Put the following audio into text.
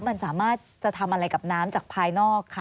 มันสามารถจะทำอะไรกับน้ำจากภายนอกค่ะ